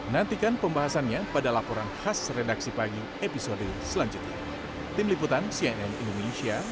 nantikan pembahasannya pada laporan khas redaksi pagi episode selanjutnya